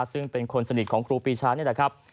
ซึ่งเป็นคนสนิทของครูปีชานี่แหละครับ